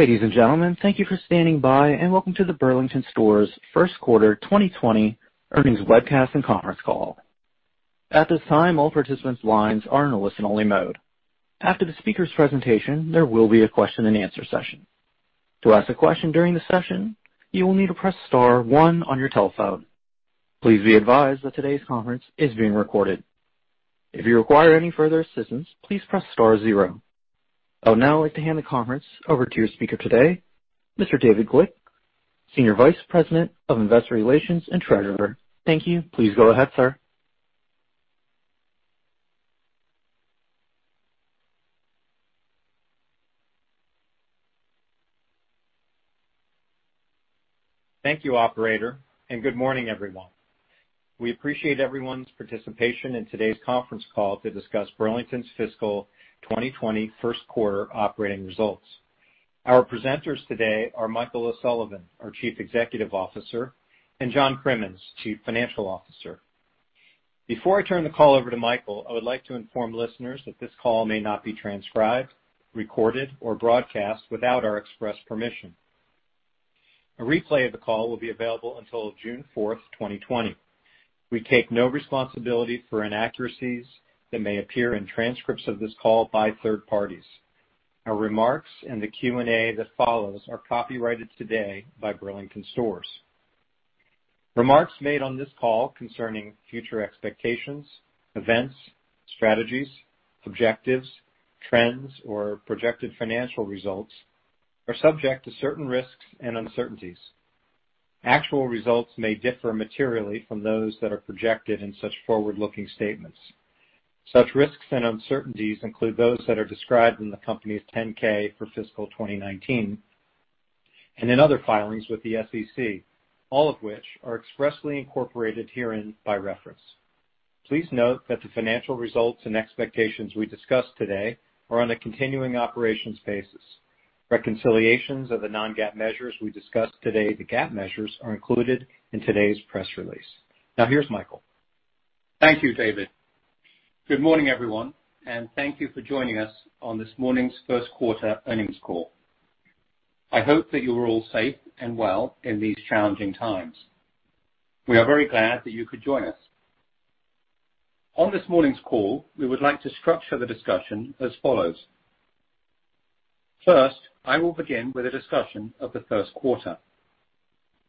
Ladies and gentlemen, thank you for standing by and welcome to the Burlington Stores First Quarter 2020 earnings webcast and conference call. At this time, all participants' lines are in a listen-only mode. After the speaker's presentation, there will be a question-and-answer session. To ask a question during the session, you will need to press star one on your telephone. Please be advised that today's conference is being recorded. If you require any further assistance, please press star zero. I would now like to hand the conference over to your speaker today, Mr. David Glick, Senior Vice President of Investor Relations and Treasurer. Thank you. Please go ahead, sir. Thank you, Operator, and good morning, everyone. We appreciate everyone's participation in today's conference call to discuss Burlington's fiscal 2020 first quarter operating results. Our presenters today are Michael O'Sullivan, our Chief Executive Officer, and John Crimmins, Chief Financial Officer. Before I turn the call over to Michael, I would like to inform listeners that this call may not be transcribed, recorded, or broadcast without our express permission. A replay of the call will be available until June 4th, 2020. We take no responsibility for inaccuracies that may appear in transcripts of this call by third parties. Our remarks and the Q&A that follows are copyrighted today by Burlington Stores. Remarks made on this call concerning future expectations, events, strategies, objectives, trends, or projected financial results are subject to certain risks and uncertainties. Actual results may differ materially from those that are projected in such forward-looking statements. Such risks and uncertainties include those that are described in the company's 10-K for fiscal 2019 and in other filings with the SEC, all of which are expressly incorporated herein by reference. Please note that the financial results and expectations we discuss today are on a continuing operations basis. Reconciliations of the non-GAAP measures we discussed today, the GAAP measures, are included in today's press release. Now, here's Michael. Thank you, David. Good morning, everyone, and thank you for joining us on this morning's first quarter earnings call. I hope that you are all safe and well in these challenging times. We are very glad that you could join us. On this morning's call, we would like to structure the discussion as follows. First, I will begin with a discussion of the first quarter.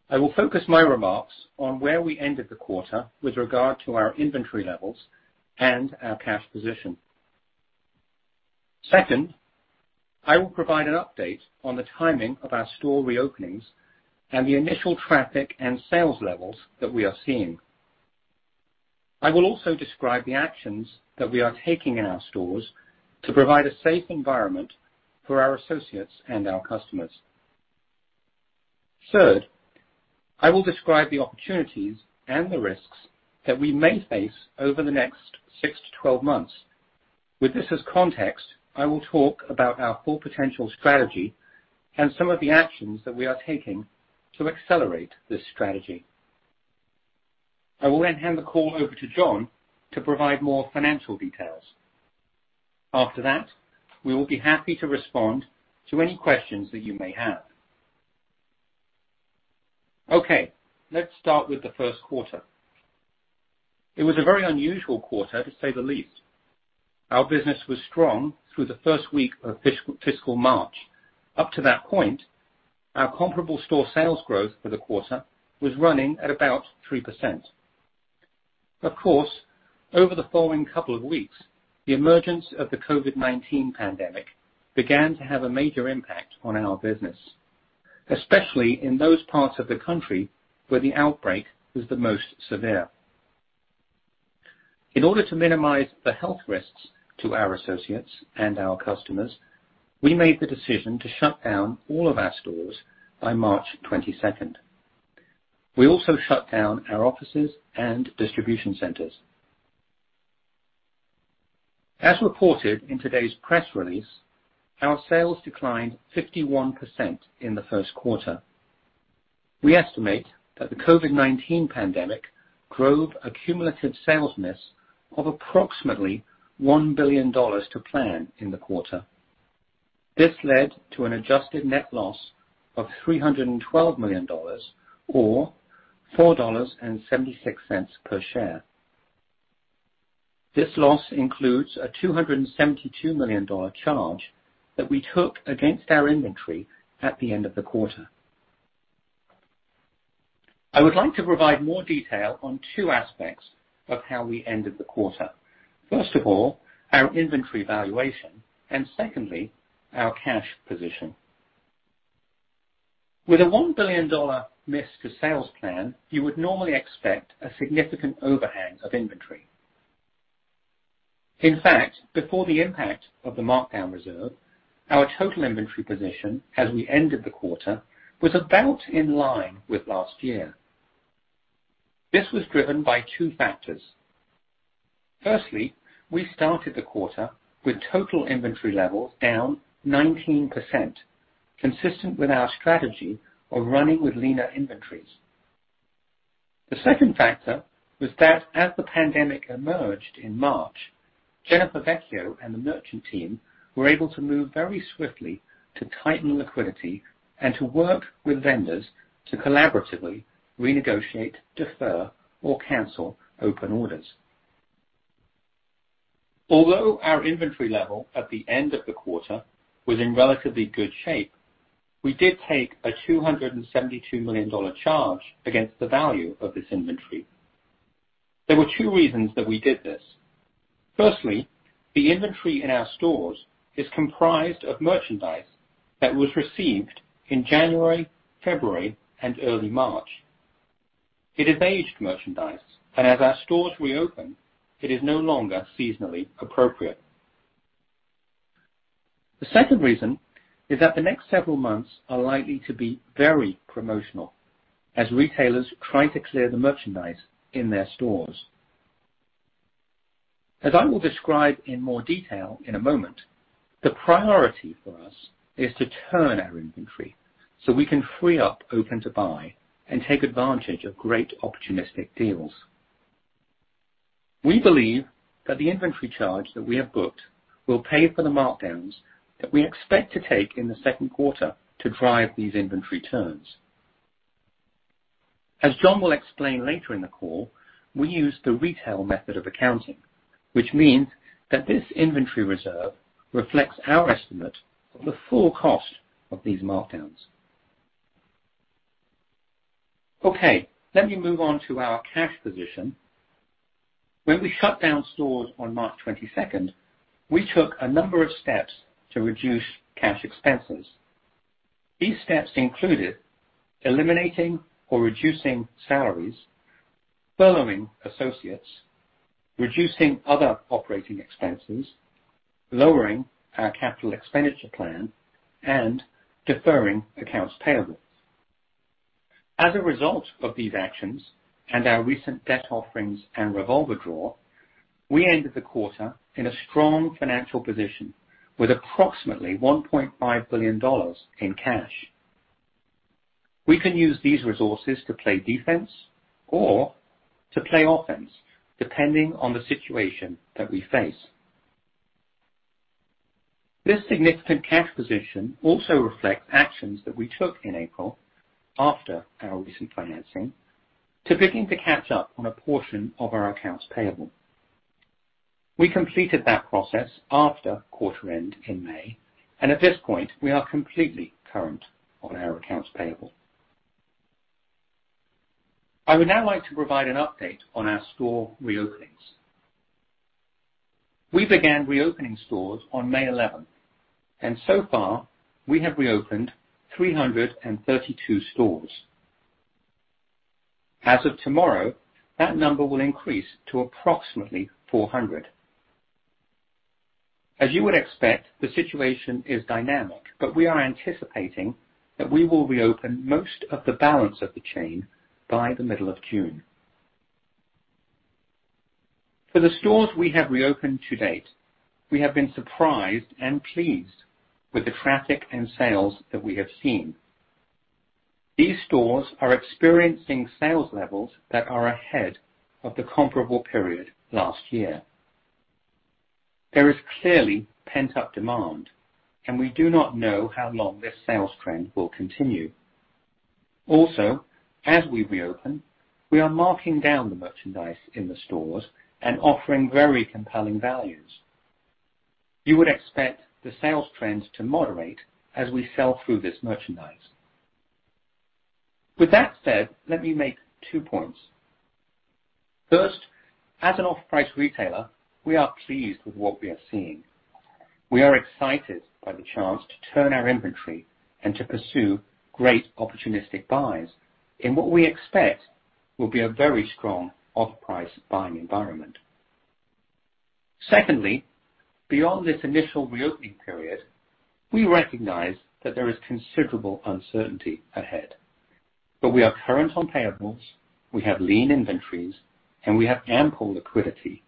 I will focus my remarks on where we ended the quarter with regard to our inventory levels and our cash position. Second, I will provide an update on the timing of our store reopenings and the initial traffic and sales levels that we are seeing. I will also describe the actions that we are taking in our stores to provide a safe environment for our associates and our customers. Third, I will describe the opportunities and the risks that we may face over the next six to 12 months. With this as context, I will talk about our full potential strategy and some of the actions that we are taking to accelerate this strategy. I will then hand the call over to John to provide more financial details. After that, we will be happy to respond to any questions that you may have. Okay, let's start with the first quarter. It was a very unusual quarter, to say the least. Our business was strong through the first week of fiscal March. Up to that point, our comparable store sales growth for the quarter was running at about 3%. Of course, over the following couple of weeks, the emergence of the COVID-19 pandemic began to have a major impact on our business, especially in those parts of the country where the outbreak was the most severe. In order to minimize the health risks to our associates and our customers, we made the decision to shut down all of our stores by March 22nd. We also shut down our offices and distribution centers. As reported in today's press release, our sales declined 51% in the first quarter. We estimate that the COVID-19 pandemic drove cumulative sales miss of approximately $1 billion to plan in the quarter. This led to an adjusted net loss of $312 million, or $4.76 per share. This loss includes a $272 million charge that we took against our inventory at the end of the quarter. I would like to provide more detail on two aspects of how we ended the quarter. First of all, our inventory valuation, and secondly, our cash position. With a $1 billion miss to sales plan, you would normally expect a significant overhang of inventory. In fact, before the impact of the markdown reserve, our total inventory position as we ended the quarter was about in line with last year. This was driven by two factors. Firstly, we started the quarter with total inventory levels down 19%, consistent with our strategy of running with leaner inventories. The second factor was that as the pandemic emerged in March, Jennifer Vecchio and the merchant team were able to move very swiftly to tighten liquidity and to work with vendors to collaboratively renegotiate, defer, or cancel open orders. Although our inventory level at the end of the quarter was in relatively good shape, we did take a $272 million charge against the value of this inventory. There were two reasons that we did this. Firstly, the inventory in our stores is comprised of merchandise that was received in January, February, and early March. It is aged merchandise, and as our stores reopen, it is no longer seasonally appropriate. The second reason is that the next several months are likely to be very promotional as retailers try to clear the merchandise in their stores. As I will describe in more detail in a moment, the priority for us is to turn our inventory so we can free up open to buy and take advantage of great opportunistic deals. We believe that the inventory charge that we have booked will pay for the markdowns that we expect to take in the second quarter to drive these inventory turns. As John will explain later in the call, we use the retail method of accounting, which means that this inventory reserve reflects our estimate of the full cost of these markdowns. Okay, let me move on to our cash position. When we shut down stores on March 22nd, we took a number of steps to reduce cash expenses. These steps included eliminating or reducing salaries, furloughing associates, reducing other operating expenses, lowering our capital expenditure plan, and deferring accounts payable. As a result of these actions and our recent debt offerings and revolver draw, we ended the quarter in a strong financial position with approximately $1.5 billion in cash. We can use these resources to play defense or to play offense, depending on the situation that we face. This significant cash position also reflects actions that we took in April after our recent financing to begin to catch up on a portion of our accounts payable. We completed that process after quarter-end in May, and at this point, we are completely current on our accounts payable. I would now like to provide an update on our store reopenings. We began reopening stores on May 11th, and so far, we have reopened 332 stores. As of tomorrow, that number will increase to approximately 400. As you would expect, the situation is dynamic, but we are anticipating that we will reopen most of the balance of the chain by the middle of June. For the stores we have reopened to date, we have been surprised and pleased with the traffic and sales that we have seen. These stores are experiencing sales levels that are ahead of the comparable period last year. There is clearly pent-up demand, and we do not know how long this sales trend will continue. Also, as we reopen, we are marking down the merchandise in the stores and offering very compelling values. You would expect the sales trend to moderate as we sell through this merchandise. With that said, let me make two points. First, as an off-price retailer, we are pleased with what we are seeing. We are excited by the chance to turn our inventory and to pursue great opportunistic buys in what we expect will be a very strong off-price buying environment. Secondly, beyond this initial reopening period, we recognize that there is considerable uncertainty ahead, but we are current on payables, we have lean inventories, and we have ample liquidity,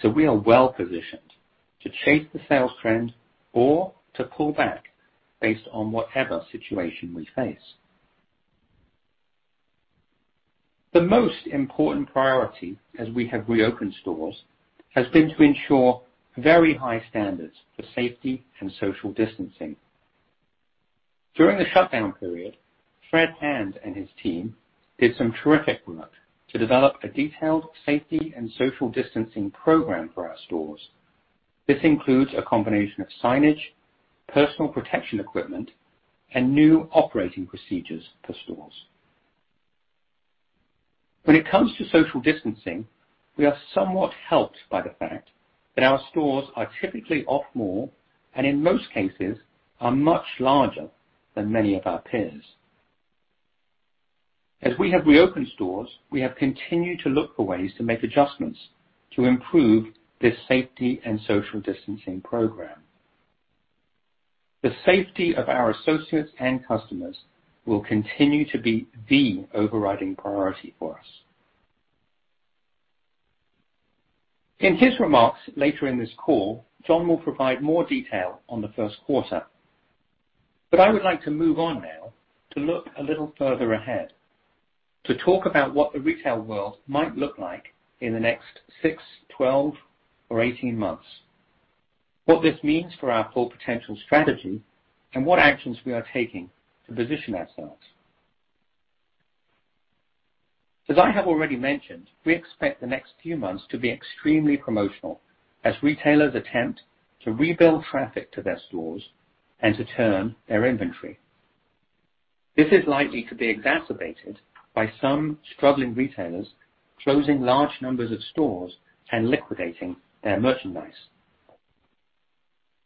so we are well-positioned to chase the sales trend or to pull back based on whatever situation we face. The most important priority as we have reopened stores has been to ensure very high standards for safety and social distancing. During the shutdown period, Fred Hand and his team did some terrific work to develop a detailed safety and social distancing program for our stores. This includes a combination of signage, personal protective equipment, and new operating procedures for stores. When it comes to social distancing, we are somewhat helped by the fact that our stores are typically off-mall and, in most cases, are much larger than many of our peers. As we have reopened stores, we have continued to look for ways to make adjustments to improve this safety and social distancing program. The safety of our associates and customers will continue to be the overriding priority for us. In his remarks later in this call, John will provide more detail on the first quarter, but I would like to move on now to look a little further ahead to talk about what the retail world might look like in the next six, 12, or 18 months, what this means for our full potential strategy, and what actions we are taking to position ourselves. As I have already mentioned, we expect the next few months to be extremely promotional as retailers attempt to rebuild traffic to their stores and to turn their inventory. This is likely to be exacerbated by some struggling retailers closing large numbers of stores and liquidating their merchandise.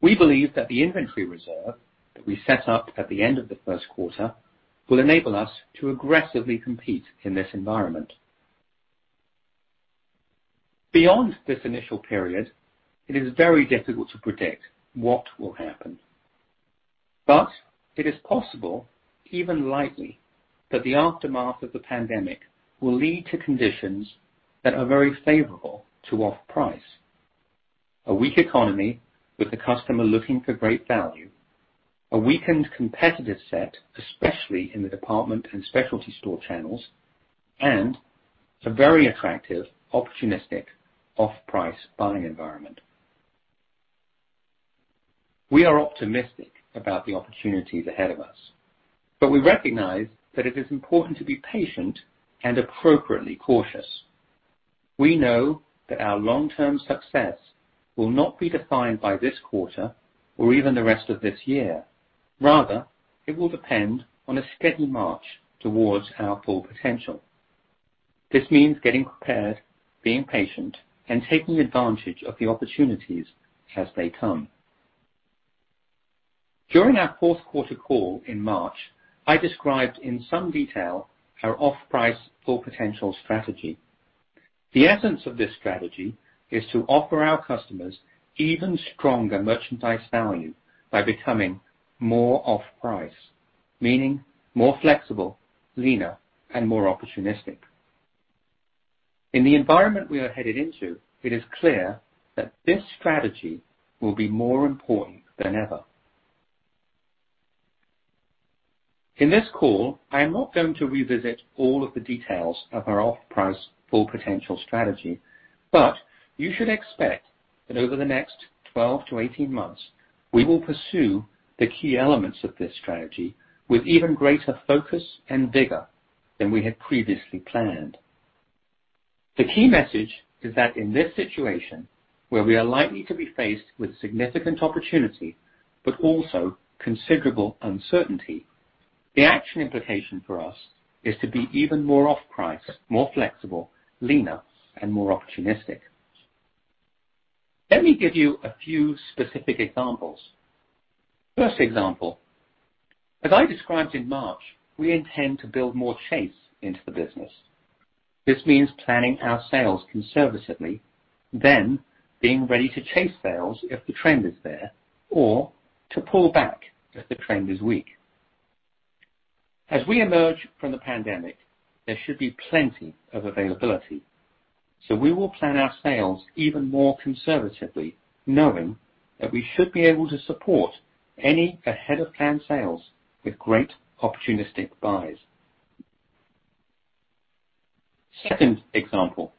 We believe that the inventory reserve that we set up at the end of the first quarter will enable us to aggressively compete in this environment. Beyond this initial period, it is very difficult to predict what will happen, but it is possible, even likely, that the aftermath of the pandemic will lead to conditions that are very favorable to off-price: a weak economy with the customer looking for great value, a weakened competitive set, especially in the department and specialty store channels, and a very attractive opportunistic off-price buying environment. We are optimistic about the opportunities ahead of us, but we recognize that it is important to be patient and appropriately cautious. We know that our long-term success will not be defined by this quarter or even the rest of this year. Rather, it will depend on a steady march towards our full potential. This means getting prepared, being patient, and taking advantage of the opportunities as they come. During our fourth quarter call in March, I described in some detail our off-price full potential strategy. The essence of this strategy is to offer our customers even stronger merchandise value by becoming more off-price, meaning more flexible, leaner, and more opportunistic. In the environment we are headed into, it is clear that this strategy will be more important than ever. In this call, I am not going to revisit all of the details of our off-price full potential strategy, but you should expect that over the next 12 to 18 months, we will pursue the key elements of this strategy with even greater focus and vigor than we had previously planned. The key message is that in this situation, where we are likely to be faced with significant opportunity but also considerable uncertainty, the action implication for us is to be even more off-price, more flexible, leaner, and more opportunistic. Let me give you a few specific examples. First example, as I described in March, we intend to build more chase into the business. This means planning our sales conservatively, then being ready to chase sales if the trend is there, or to pull back if the trend is weak. As we emerge from the pandemic, there should be plenty of availability, so we will plan our sales even more conservatively, knowing that we should be able to support any ahead-of-plan sales with great opportunistic buys. Second example,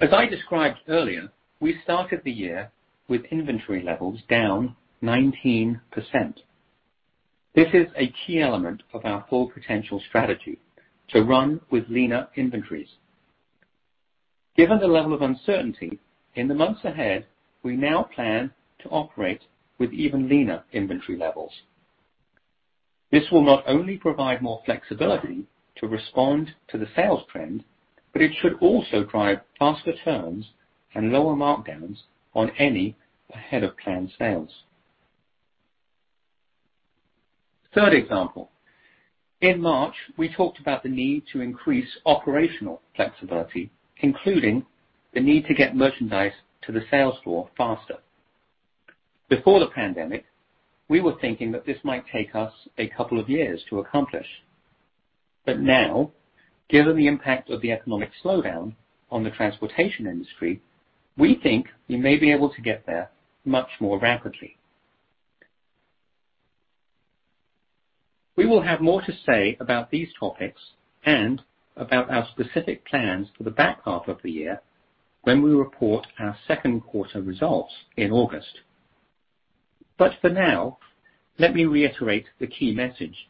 as I described earlier, we started the year with inventory levels down 19%. This is a key element of our full potential strategy to run with leaner inventories. Given the level of uncertainty in the months ahead, we now plan to operate with even leaner inventory levels. This will not only provide more flexibility to respond to the sales trend, but it should also drive faster turns and lower markdowns on any ahead-of-plan sales. Third example, in March, we talked about the need to increase operational flexibility, including the need to get merchandise to the sales floor faster. Before the pandemic, we were thinking that this might take us a couple of years to accomplish, but now, given the impact of the economic slowdown on the transportation industry, we think we may be able to get there much more rapidly. We will have more to say about these topics and about our specific plans for the back half of the year when we report our second quarter results in August. But for now, let me reiterate the key message.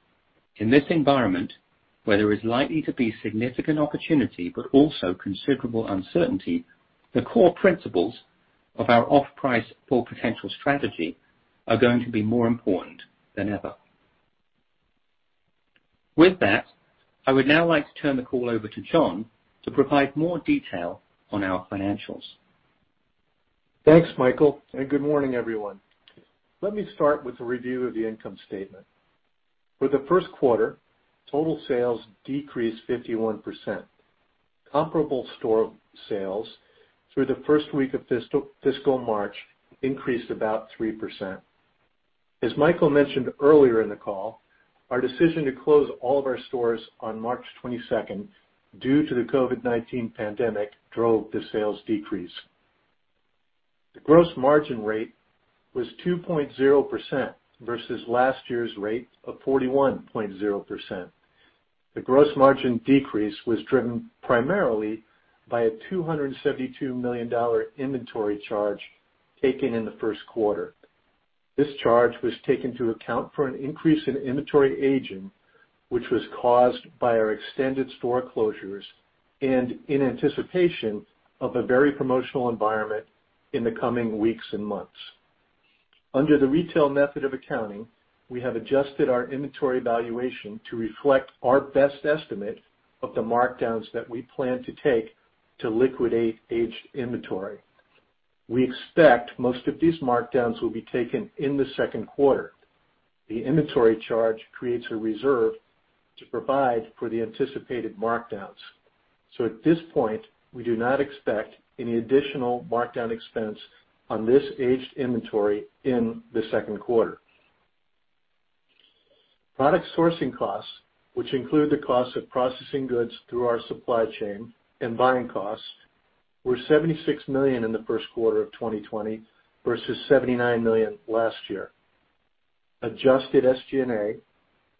In this environment, where there is likely to be significant opportunity but also considerable uncertainty, the core principles of our off-price full potential strategy are going to be more important than ever. With that, I would now like to turn the call over to John to provide more detail on our financials. Thanks, Michael, and good morning, everyone. Let me start with a review of the income statement. For the first quarter, total sales decreased 51%. Comparable store sales through the first week of fiscal March increased about 3%. As Michael mentioned earlier in the call, our decision to close all of our stores on March 22nd due to the COVID-19 pandemic drove the sales decrease. The gross margin rate was 2.0% versus last year's rate of 41.0%. The gross margin decrease was driven primarily by a $272 million inventory charge taken in the first quarter. This charge was taken to account for an increase in inventory aging, which was caused by our extended store closures and in anticipation of a very promotional environment in the coming weeks and months. Under the Retail Method of Accounting, we have adjusted our inventory valuation to reflect our best estimate of the markdowns that we plan to take to liquidate aged inventory. We expect most of these markdowns will be taken in the second quarter. The inventory charge creates a reserve to provide for the anticipated markdowns. So at this point, we do not expect any additional markdown expense on this aged inventory in the second quarter. Product sourcing costs, which include the cost of processing goods through our supply chain and buying costs, were $76 million in the first quarter of 2020 versus $79 million last year. Adjusted SG&A,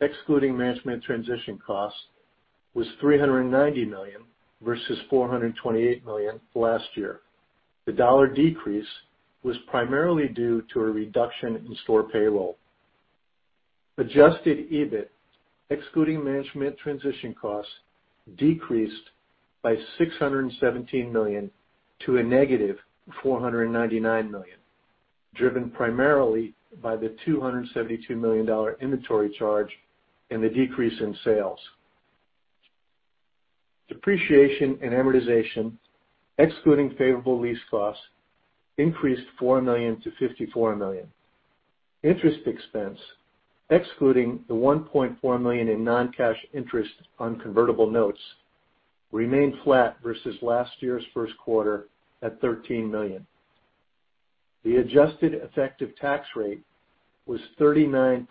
excluding management transition costs, was $390 million versus $428 million last year. The dollar decrease was primarily due to a reduction in store payroll. Adjusted EBIT, excluding management transition costs, decreased by $617 million to a negative $499 million, driven primarily by the $272 million inventory charge and the decrease in sales. Depreciation and amortization, excluding favorable lease costs, increased $4 million to $54 million. Interest expense, excluding the $1.4 million in non-cash interest on convertible notes, remained flat versus last year's first quarter at $13 million. The adjusted effective tax rate was 39%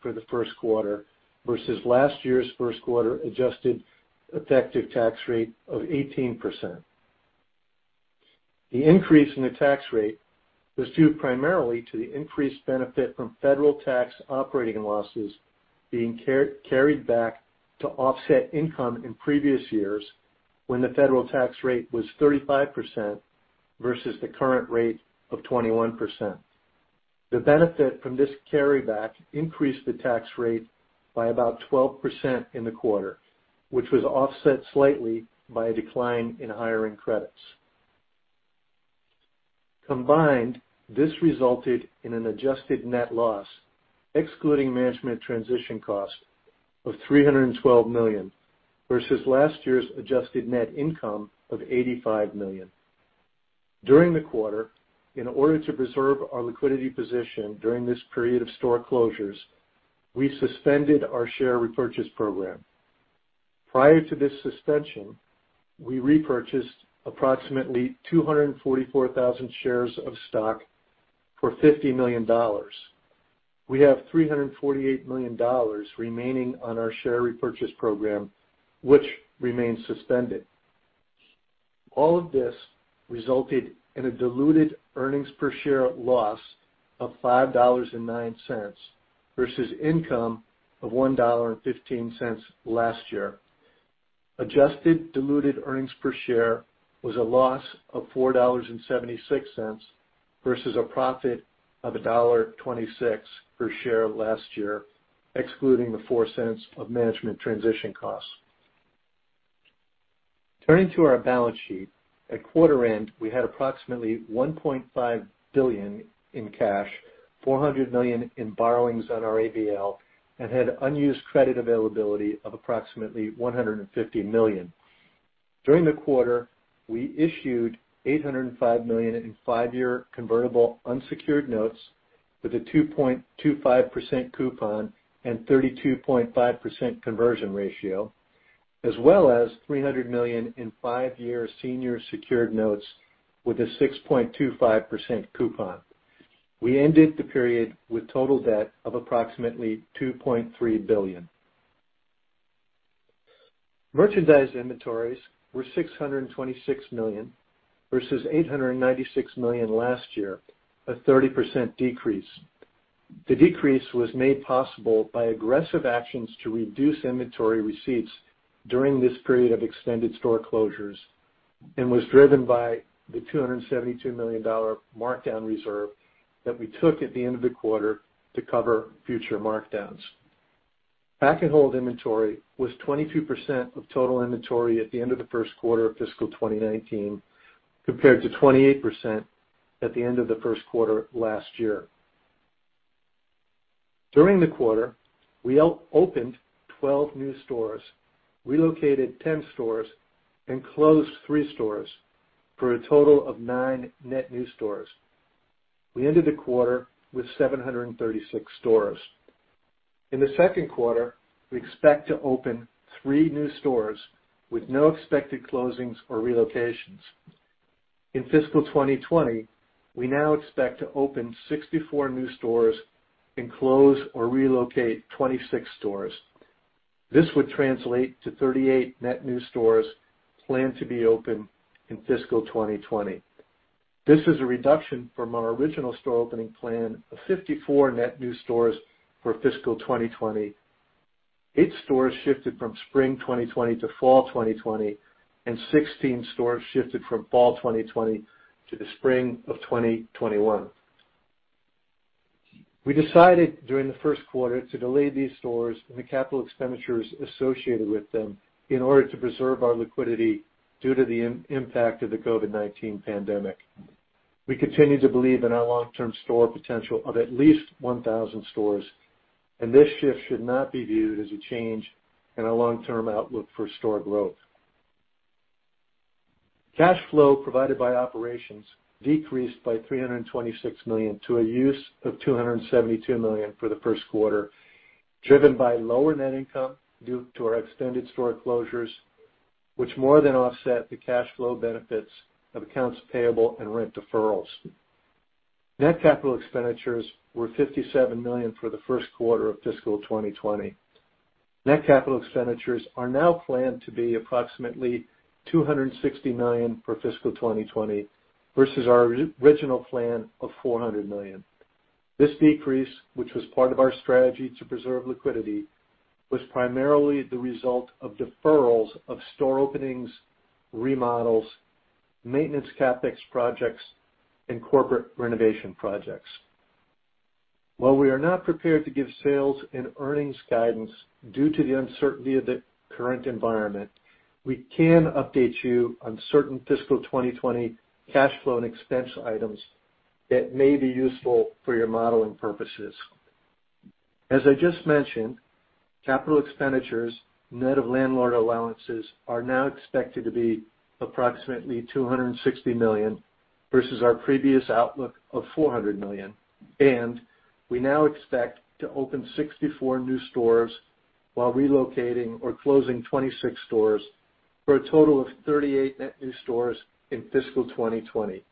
for the first quarter versus last year's first quarter adjusted effective tax rate of 18%. The increase in the tax rate was due primarily to the increased benefit from federal tax operating losses being carried back to offset income in previous years when the federal tax rate was 35% versus the current rate of 21%. The benefit from this carryback increased the tax rate by about 12% in the quarter, which was offset slightly by a decline in hiring credits. Combined, this resulted in an adjusted net loss, excluding management transition costs, of $312 million versus last year's adjusted net income of $85 million. During the quarter, in order to preserve our liquidity position during this period of store closures, we suspended our share repurchase program. Prior to this suspension, we repurchased approximately 244,000 shares of stock for $50 million. We have $348 million remaining on our share repurchase program, which remains suspended. All of this resulted in a diluted earnings per share loss of $5.09 versus income of $1.15 last year. Adjusted diluted earnings per share was a loss of $4.76 versus a profit of $1.26 per share last year, excluding the $0.04 of management transition costs. Turning to our balance sheet, at quarter end, we had approximately $1.5 billion in cash, $400 million in borrowings on our ABL, and had unused credit availability of approximately $150 million. During the quarter, we issued $805 million in five-year convertible unsecured notes with a 2.25% coupon and 32.5% conversion ratio, as well as $300 million in five-year senior secured notes with a 6.25% coupon. We ended the period with total debt of approximately $2.3 billion. Merchandise inventories were $626 million versus $896 million last year, a 30% decrease. The decrease was made possible by aggressive actions to reduce inventory receipts during this period of extended store closures and was driven by the $272 million markdown reserve that we took at the end of the quarter to cover future markdowns. Pack-and-hold inventory was 22% of total inventory at the end of the first quarter of fiscal 2019 compared to 28% at the end of the first quarter last year. During the quarter, we opened 12 new stores, relocated 10 stores, and closed three stores for a total of nine net new stores. We ended the quarter with 736 stores. In the second quarter, we expect to open three new stores with no expected closings or relocations. In fiscal 2020, we now expect to open 64 new stores and close or relocate 26 stores. This would translate to 38 net new stores planned to be opened in fiscal 2020. This is a reduction from our original store opening plan of 54 net new stores for fiscal 2020. Eight stores shifted from spring 2020 to fall 2020, and 16 stores shifted from fall 2020 to the spring of 2021. We decided during the first quarter to delay these stores and the capital expenditures associated with them in order to preserve our liquidity due to the impact of the COVID-19 pandemic. We continue to believe in our long-term store potential of at least 1,000 stores, and this shift should not be viewed as a change in our long-term outlook for store growth. Cash flow provided by operations decreased by $326 million to a use of $272 million for the first quarter, driven by lower net income due to our extended store closures, which more than offset the cash flow benefits of accounts payable and rent deferrals. Net capital expenditures were $57 million for the first quarter of fiscal 2020. Net capital expenditures are now planned to be approximately $260 million for fiscal 2020 versus our original plan of $400 million. This decrease, which was part of our strategy to preserve liquidity, was primarily the result of deferrals of store openings, remodels, maintenance CapEx projects, and corporate renovation projects. While we are not prepared to give sales and earnings guidance due to the uncertainty of the current environment, we can update you on certain fiscal 2020 cash flow and expense items that may be useful for your modeling purposes. As I just mentioned, capital expenditures, net of landlord allowances, are now expected to be approximately $260 million versus our previous outlook of $400 million, and we now expect to open 64 new stores while relocating or closing 26 stores for a total of 38 net new stores in fiscal 2020.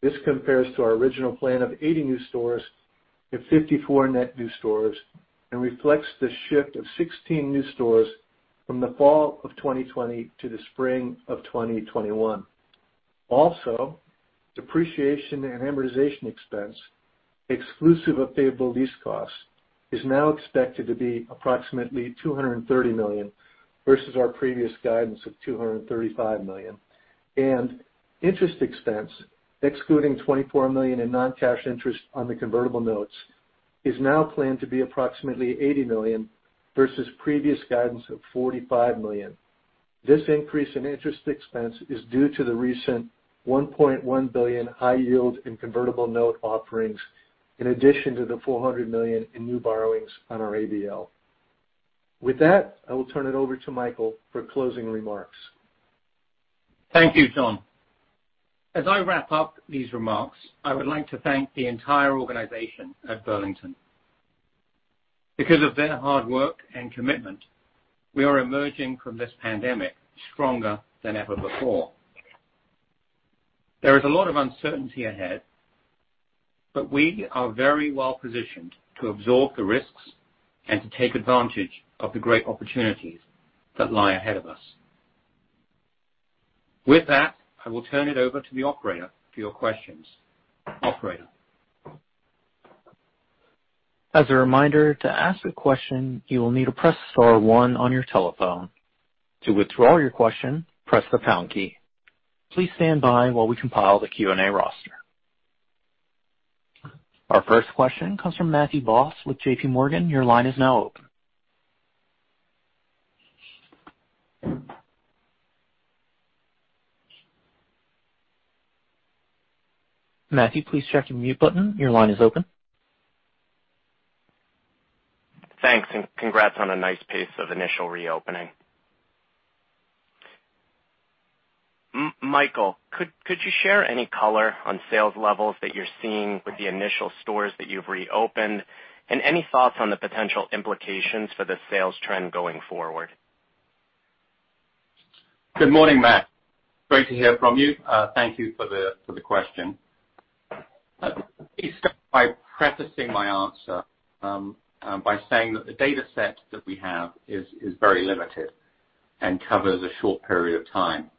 This compares to our original plan of 80 new stores and 54 net new stores and reflects the shift of 16 new stores from the fall of 2020 to the spring of 2021. Also, depreciation and amortization expense, exclusive of a payable lease costs, is now expected to be approximately $230 million versus our previous guidance of $235 million. Interest expense, excluding $24 million in non-cash interest on the convertible notes, is now planned to be approximately $80 million versus previous guidance of $45 million. This increase in interest expense is due to the recent $1.1 billion high-yield and convertible note offerings, in addition to the $400 million in new borrowings on our ABL. With that, I will turn it over to Michael for closing remarks. Thank you, John. As I wrap up these remarks, I would like to thank the entire organization at Burlington. Because of their hard work and commitment, we are emerging from this pandemic stronger than ever before. There is a lot of uncertainty ahead, but we are very well positioned to absorb the risks and to take advantage of the great opportunities that lie ahead of us. With that, I will turn it over to the operator for your questions. Operator. As a reminder, to ask a question, you will need to press star one on your telephone. To withdraw your question, press the pound key. Please stand by while we compile the Q&A roster. Our first question comes from Matthew Boss with J.P. Morgan. Your line is now open. Matthew, please check your mute button. Your line is open. Thanks, and congrats on a nice pace of initial reopening. Michael, could you share any color on sales levels that you're seeing with the initial stores that you've reopened and any thoughts on the potential implications for the sales trend going forward? Good morning, Matt. Great to hear from you. Thank you for the question. Let me start by prefacing my answer by saying that the data set that we have is very limited and covers a short period of time.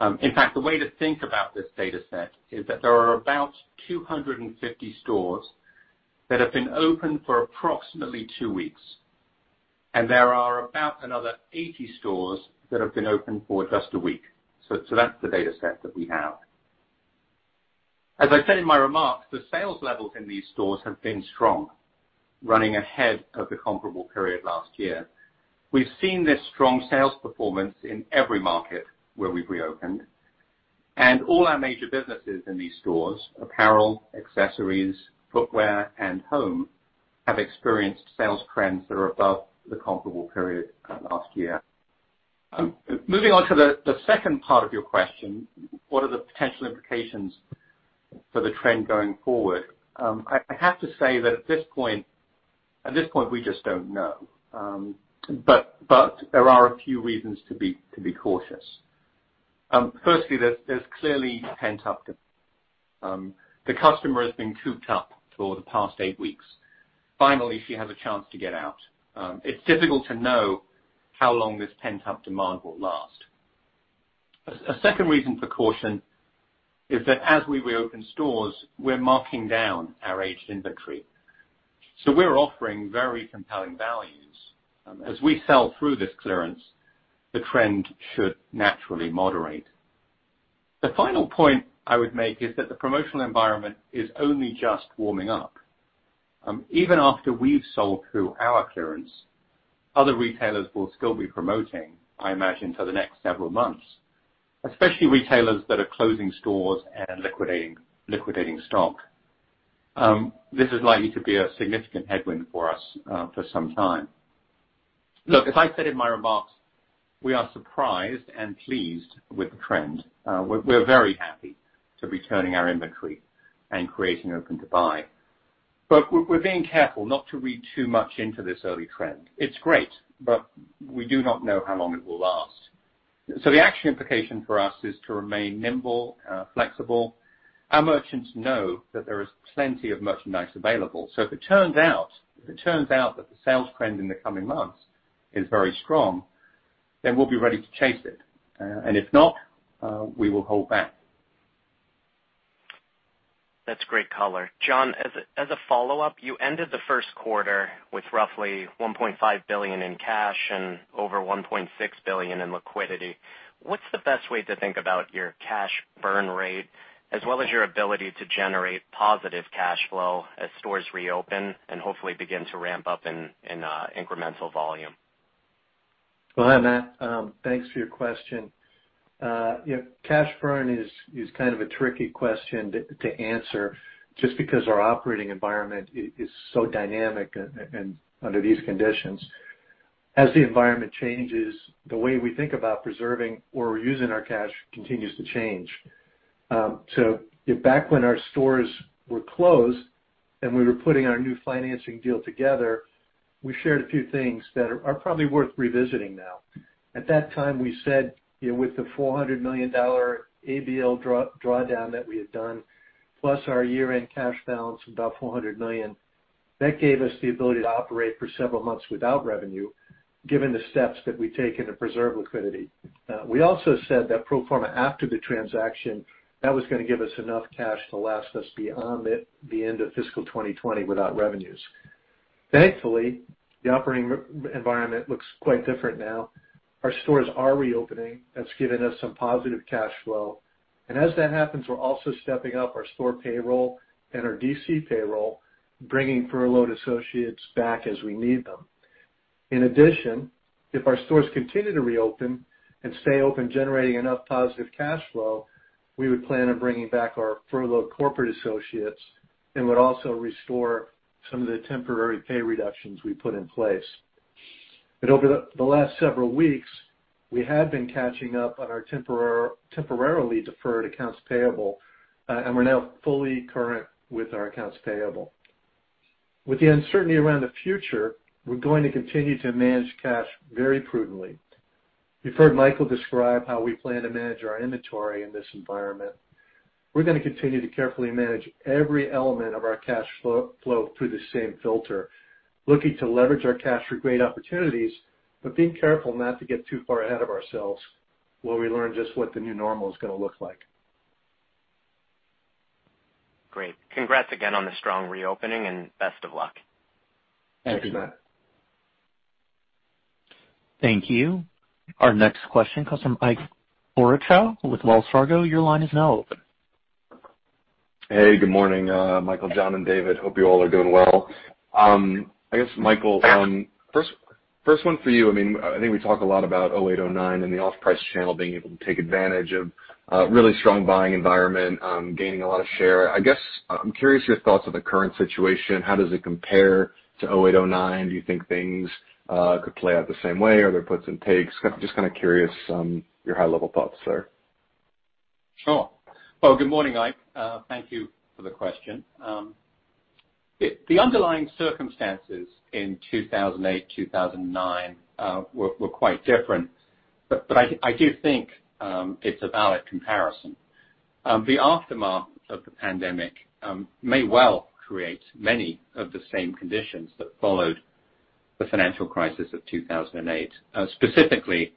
In fact, the way to think about this data set is that there are about 250 stores that have been open for approximately two weeks, and there are about another 80 stores that have been open for just a week. So that's the data set that we have. As I said in my remarks, the sales levels in these stores have been strong, running ahead of the comparable period last year. We've seen this strong sales performance in every market where we've reopened, and all our major businesses in these stores, apparel, accessories, footwear, and home, have experienced sales trends that are above the comparable period last year. Moving on to the second part of your question, what are the potential implications for the trend going forward? I have to say that at this point, we just don't know, but there are a few reasons to be cautious. Firstly, there's clearly pent-up demand. The customer has been cooped up for the past eight weeks. Finally, she has a chance to get out. It's difficult to know how long this pent-up demand will last. A second reason for caution is that as we reopen stores, we're marking down our aged inventory. So we're offering very compelling values. As we sell through this clearance, the trend should naturally moderate. The final point I would make is that the promotional environment is only just warming up. Even after we've sold through our clearance, other retailers will still be promoting, I imagine, for the next several months, especially retailers that are closing stores and liquidating stock. This is likely to be a significant headwind for us for some time. Look, as I said in my remarks, we are surprised and pleased with the trend. We're very happy to be turning our inventory and creating open to buy. But we're being careful not to read too much into this early trend. It's great, but we do not know how long it will last. So the actual implication for us is to remain nimble and flexible. Our merchants know that there is plenty of merchandise available. So if it turns out that the sales trend in the coming months is very strong, then we'll be ready to chase it. And if not, we will hold back. That's great color. John, as a follow-up, you ended the first quarter with roughly $1.5 billion in cash and over $1.6 billion in liquidity. What's the best way to think about your cash burn rate, as well as your ability to generate positive cash flow as stores reopen and hopefully begin to ramp up in incremental volume? Hi, Matt. Thanks for your question. Cash burn is kind of a tricky question to answer just because our operating environment is so dynamic under these conditions. As the environment changes, the way we think about preserving or using our cash continues to change. Back when our stores were closed and we were putting our new financing deal together, we shared a few things that are probably worth revisiting now. At that time, we said with the $400 million ABL drawdown that we had done, plus our year-end cash balance of about $400 million, that gave us the ability to operate for several months without revenue, given the steps that we taken to preserve liquidity. We also said that pro forma after the transaction, that was going to give us enough cash to last us beyond the end of fiscal 2020 without revenues. Thankfully, the operating environment looks quite different now. Our stores are reopening. That's given us some positive cash flow. And as that happens, we're also stepping up our store payroll and our DC payroll, bringing furloughed associates back as we need them. In addition, if our stores continue to reopen and stay open, generating enough positive cash flow, we would plan on bringing back our furloughed corporate associates and would also restore some of the temporary pay reductions we put in place. But over the last several weeks, we had been catching up on our temporarily deferred accounts payable, and we're now fully current with our accounts payable. With the uncertainty around the future, we're going to continue to manage cash very prudently. You've heard Michael describe how we plan to manage our inventory in this environment. We're going to continue to carefully manage every element of our cash flow through the same filter, looking to leverage our cash for great opportunities, but being careful not to get too far ahead of ourselves while we learn just what the new normal is going to look like. Great. Congrats again on the strong reopening and best of luck. Thanks, Matt. Thank you. Our next question comes from Ike Boruchow with Wells Fargo. Your line is now open. Hey, good morning, Michael, John, and David. Hope you all are doing well. I guess, Michael, first one for you. I mean, I think we talk a lot about 2008, 2009 and the off-price channel being able to take advantage of a really strong buying environment, gaining a lot of share. I guess I'm curious your thoughts on the current situation. How does it compare to 2008, 2009? Do you think things could play out the same way, or are there puts and takes? Just kind of curious your high-level thoughts there. Sure. Well, good morning, Ike. Thank you for the question. The underlying circumstances in 2008, 2009 were quite different, but I do think it's a valid comparison. The aftermath of the pandemic may well create many of the same conditions that followed the financial crisis of 2008. Specifically,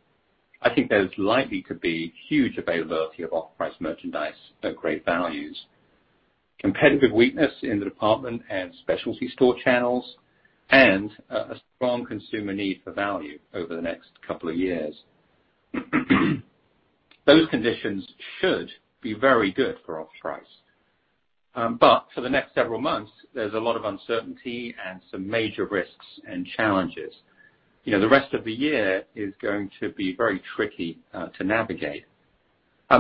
I think there's likely to be huge availability of off-price merchandise at great values, competitive weakness in the department and specialty store channels, and a strong consumer need for value over the next couple of years. Those conditions should be very good for off-price. But for the next several months, there's a lot of uncertainty and some major risks and challenges. The rest of the year is going to be very tricky to navigate.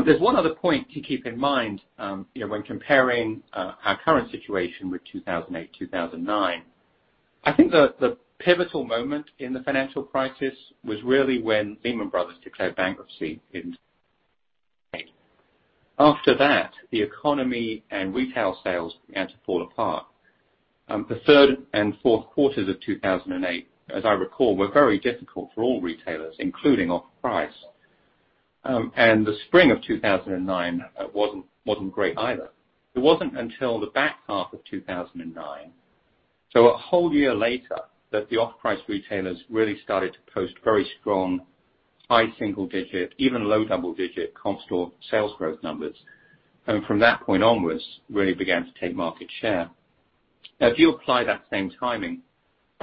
There's one other point to keep in mind when comparing our current situation with 2008, 2009. I think the pivotal moment in the financial crisis was really when Lehman Brothers declared bankruptcy in 2008. After that, the economy and retail sales began to fall apart. The third and fourth quarters of 2008, as I recall, were very difficult for all retailers, including off-price. And the spring of 2009 wasn't great either. It wasn't until the back half of 2009, so a whole year later, that the off-price retailers really started to post very strong high single-digit, even low double-digit comp store sales growth numbers. And from that point onwards, really began to take market share. Now, if you apply that same timing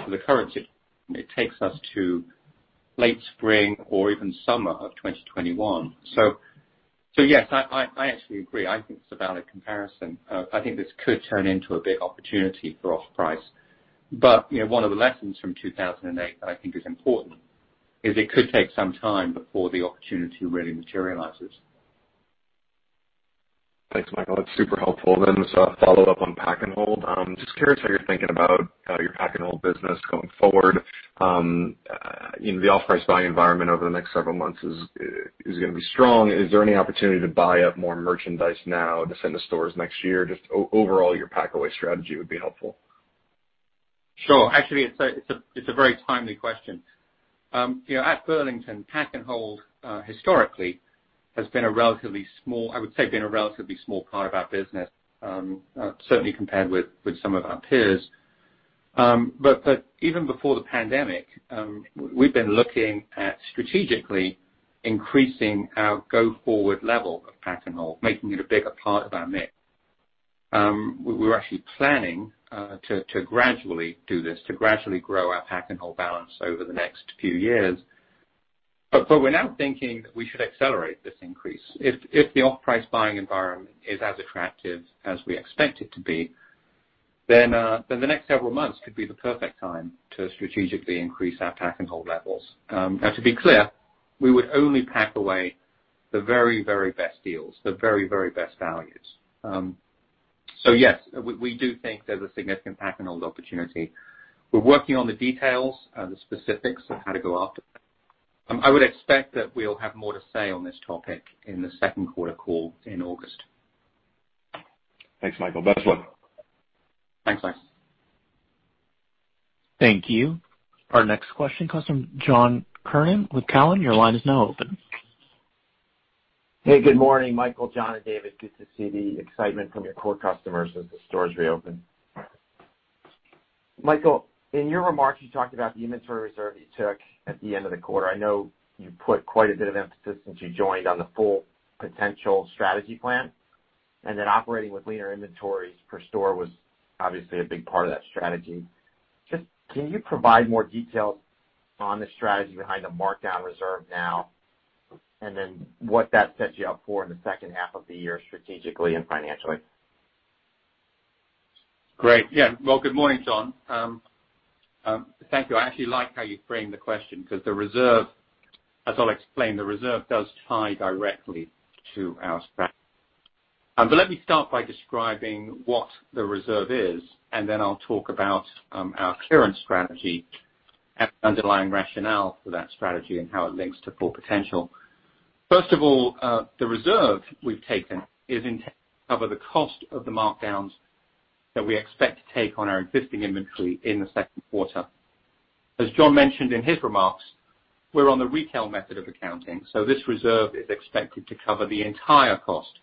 to the current situation, it takes us to late spring or even summer of 2021. So yes, I actually agree. I think it's a valid comparison. I think this could turn into a big opportunity for off-price. But one of the lessons from 2008 that I think is important is it could take some time before the opportunity really materializes. Thanks, Michael. That's super helpful. Then as a follow-up on pack and hold, just curious how you're thinking about your pack and hold business going forward. The off-price buying environment over the next several months is going to be strong. Is there any opportunity to buy up more merchandise now to send to stores next year? Just overall, your pack away strategy would be helpful. Sure. Actually, it's a very timely question. At Burlington, pack and hold historically has been a relatively small, I would say, part of our business, certainly compared with some of our peers. But even before the pandemic, we've been looking at strategically increasing our go-forward level of pack and hold, making it a bigger part of our mix. We were actually planning to gradually do this, to gradually grow our pack and hold balance over the next few years. But we're now thinking that we should accelerate this increase. If the off-price buying environment is as attractive as we expect it to be, then the next several months could be the perfect time to strategically increase our pack and hold levels. Now, to be clear, we would only pack away the very, very best deals, the very, very best values. So yes, we do think there's a significant pack and hold opportunity. We're working on the details and the specifics of how to go after them. I would expect that we'll have more to say on this topic in the second quarter call in August. Thanks, Michael. Best of luck. Thanks, guys. Thank you. Our next question comes from John Kernan with Cowen. Your line is now open. Hey, good morning, Michael, John, and David. Good to see the excitement from your core customers as the stores reopen. Michael, in your remarks, you talked about the inventory reserve that you took at the end of the quarter. I know you put quite a bit of emphasis since you joined on the full potential strategy plan, and then operating with leaner inventories per store was obviously a big part of that strategy. Just can you provide more details on the strategy behind the markdown reserve now, and then what that set you up for in the second half of the year strategically and financially? Great. Yeah. Well, good morning, John. Thank you. I actually like how you frame the question because the reserve, as I'll explain, the reserve does tie directly to our strategy. But let me start by describing what the reserve is, and then I'll talk about our clearance strategy and the underlying rationale for that strategy and how it links to full potential. First of all, the reserve we've taken is intended to cover the cost of the markdowns that we expect to take on our existing inventory in the second quarter. As John mentioned in his remarks, we're on the Retail Method of Accounting. So this reserve is expected to cover the entire cost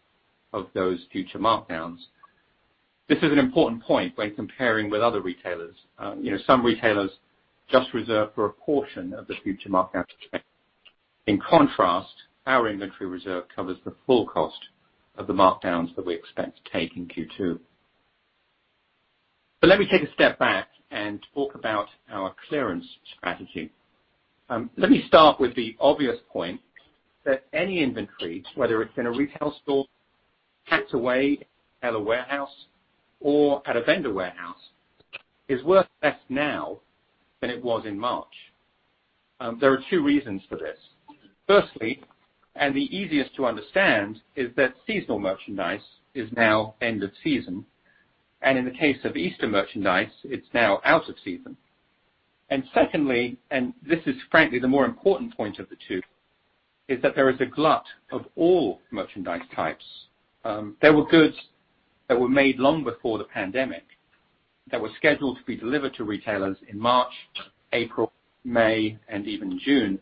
of those future markdowns. This is an important point when comparing with other retailers. Some retailers just reserve for a portion of the future markdowns. In contrast, our inventory reserve covers the full cost of the markdowns that we expect to take in Q2. But let me take a step back and talk about our clearance strategy. Let me start with the obvious point that any inventory, whether it's in a retail store, packed away in a retailer warehouse, or at a vendor warehouse, is worth less now than it was in March. There are two reasons for this. Firstly, and the easiest to understand, is that seasonal merchandise is now end of season. And in the case of Easter merchandise, it's now out of season. And secondly, and this is frankly the more important point of the two, is that there is a glut of all merchandise types. There were goods that were made long before the pandemic that were scheduled to be delivered to retailers in March, April, May, and even June.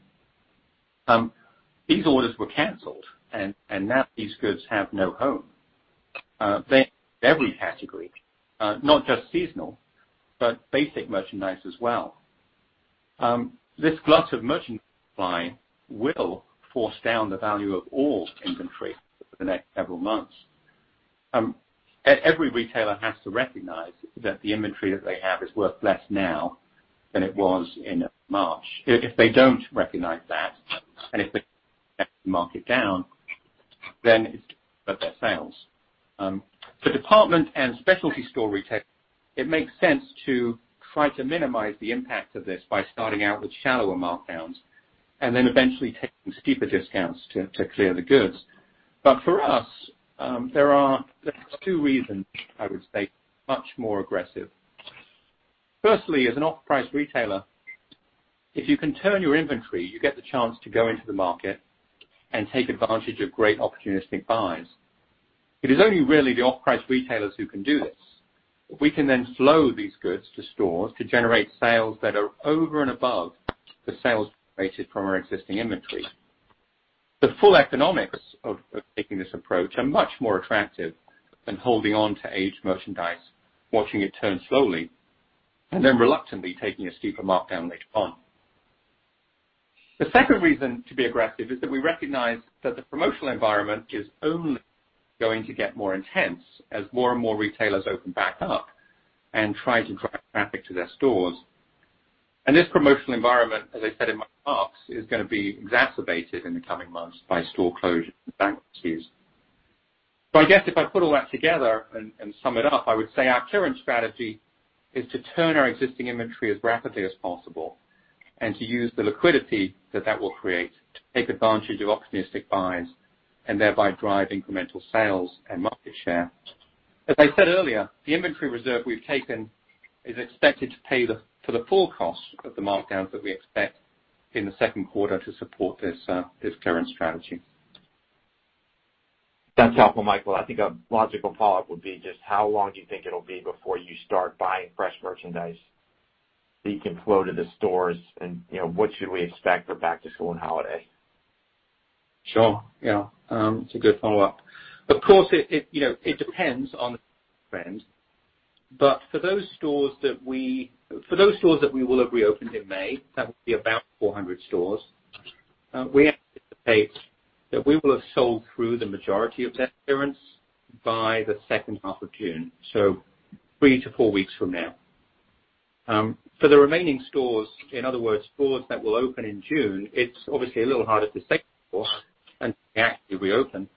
These orders were canceled, and now these goods have no home. They're in every category, not just seasonal, but basic merchandise as well. This glut of merchandise supply will force down the value of all inventory for the next several months. Every retailer has to recognize that the inventory that they have is worth less now than it was in March. If they don't recognize that, and if they mark it down, then it's going to hurt their sales. For department and specialty store retailers, it makes sense to try to minimize the impact of this by starting out with shallower markdowns and then eventually taking steeper discounts to clear the goods. But for us, there are two reasons, I would say, much more aggressive. Firstly, as an off-price retailer, if you can turn your inventory, you get the chance to go into the market and take advantage of great opportunistic buys. It is only really the off-price retailers who can do this. We can then flow these goods to stores to generate sales that are over and above the sales generated from our existing inventory. The full economics of taking this approach are much more attractive than holding on to aged merchandise, watching it turn slowly, and then reluctantly taking a steeper markdown later on. The second reason to be aggressive is that we recognize that the promotional environment is only going to get more intense as more and more retailers open back up and try to drive traffic to their stores. And this promotional environment, as I said in my remarks, is going to be exacerbated in the coming months by store closures and bankruptcies. So I guess if I put all that together and sum it up, I would say our clearance strategy is to turn our existing inventory as rapidly as possible and to use the liquidity that that will create to take advantage of opportunistic buys and thereby drive incremental sales and market share. As I said earlier, the inventory reserve we've taken is expected to pay for the full cost of the markdowns that we expect in the second quarter to support this clearance strategy. That's helpful, Michael. I think a logical follow-up would be just how long do you think it'll be before you start buying fresh merchandise that you can flow to the stores? And what should we expect for back to school and holidays? Sure. Yeah. It's a good follow-up. Of course, it depends on the trend, but for those stores that we will have reopened in May, that will be about 400 stores. We anticipate that we will have sold through the majority of their clearance by the second half of June, so three to four weeks from now. For the remaining stores, in other words, stores that will open in June, it's obviously a little harder to say before and to actually reopen,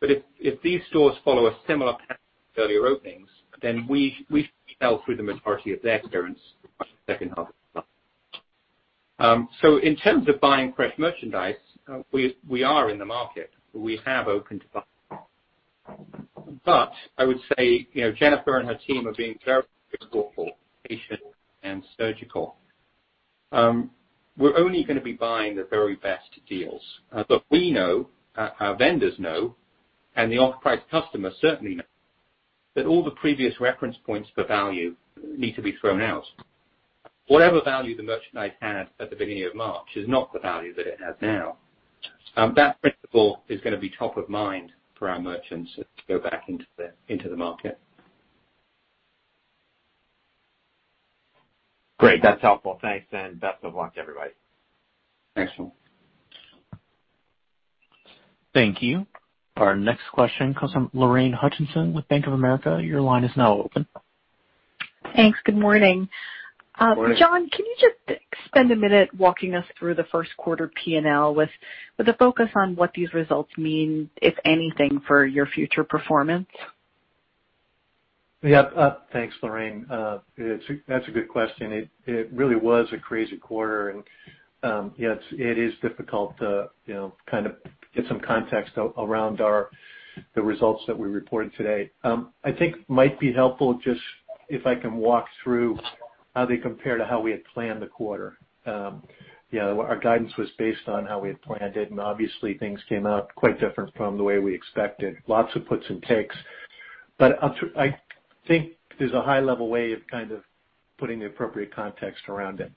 but if these stores follow a similar pattern to earlier openings, then we should sell through the majority of their clearance by the second half of July, so in terms of buying fresh merchandise, we are in the market. We have opened to buy. But I would say Jennifer and her team are being very forceful, patient, and surgical. We're only going to be buying the very best deals. But we know, our vendors know, and the off-price customers certainly know, that all the previous reference points for value need to be thrown out. Whatever value the merchandise had at the beginning of March is not the value that it has now. That principle is going to be top of mind for our merchants as they go back into the market. Great. That's helpful. Thanks, and best of luck to everybody. Excellent. Thank you. Our next question comes from Lorraine Hutchinson with Bank of America. Your line is now open. Thanks. Good morning. Morning. John, can you just spend a minute walking us through the first quarter P&L with a focus on what these results mean, if anything, for your future performance? Yeah. Thanks, Lorraine. That's a good question. It really was a crazy quarter. And yeah, it is difficult to kind of get some context around the results that we reported today. I think it might be helpful just if I can walk through how they compare to how we had planned the quarter. Yeah, our guidance was based on how we had planned it, and obviously, things came out quite different from the way we expected. Lots of puts and takes. But I think there's a high-level way of kind of putting the appropriate context around it.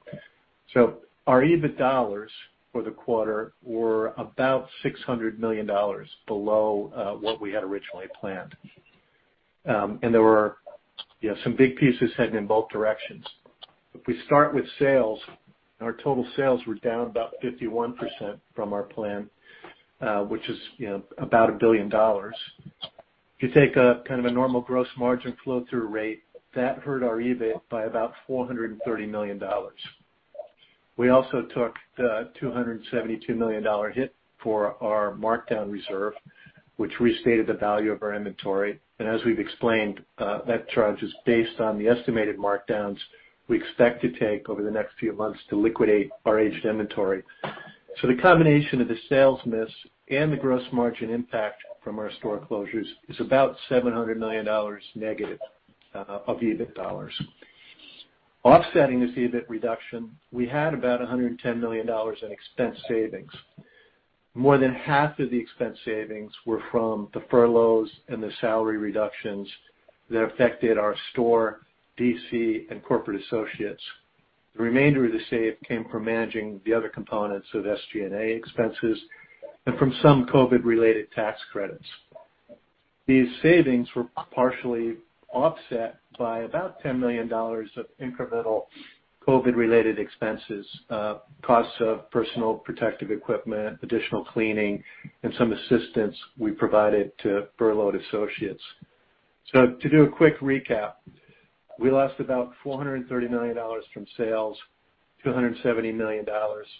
So our EBIT dollars for the quarter were about $600 million below what we had originally planned. And there were some big pieces heading in both directions. If we start with sales, our total sales were down about 51% from our plan, which is about $1 billion. If you take kind of a normal gross margin flow-through rate, that hurt our EBIT by about $430 million. We also took the $272 million hit for our markdown reserve, which restated the value of our inventory, and as we've explained, that charge is based on the estimated markdowns we expect to take over the next few months to liquidate our aged inventory, so the combination of the sales miss and the gross margin impact from our store closures is about $700 million negative of EBIT dollars. Offsetting this EBIT reduction, we had about $110 million in expense savings. More than half of the expense savings were from the furloughs and the salary reductions that affected our store, DC, and corporate associates. The remainder of the save came from managing the other components of SG&A expenses and from some COVID-related tax credits. These savings were partially offset by about $10 million of incremental COVID-related expenses, costs of personal protective equipment, additional cleaning, and some assistance we provided to furloughed associates, so to do a quick recap, we lost about $430 million from sales, $270 million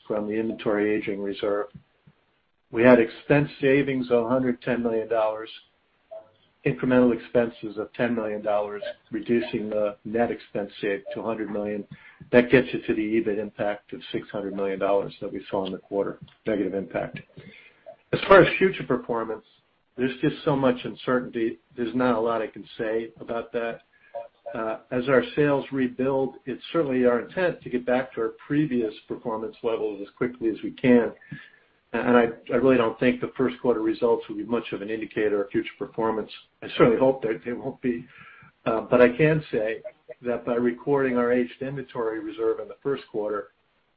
from the inventory aging reserve. We had expense savings of $110 million, incremental expenses of $10 million, reducing the net expense save to $100 million. That gets you to the EBIT impact of $600 million that we saw in the quarter, negative impact. As far as future performance, there's just so much uncertainty. There's not a lot I can say about that. As our sales rebuild, it's certainly our intent to get back to our previous performance levels as quickly as we can, and I really don't think the first quarter results will be much of an indicator of future performance. I certainly hope that they won't be. But I can say that by recording our aged inventory reserve in the first quarter,